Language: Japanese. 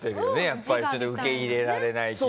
やっぱりそれを受け入れられない気持ち。